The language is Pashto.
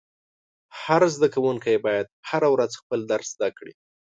هر شاګرد باید هره ورځ خپل درس زده کړي.